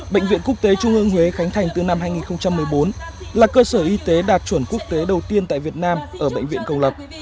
bệnh viện quốc tế trung ương huế khánh thành từ năm hai nghìn một mươi bốn là cơ sở y tế đạt chuẩn quốc tế đầu tiên tại việt nam ở bệnh viện công lập